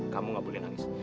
kamu gak boleh nangis